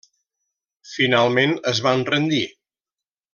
Finalment es van rendir.